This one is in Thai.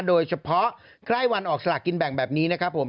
โดยเฉพาะใกล้วันออกสลากกินแบ่งแบบนี้นะครับผม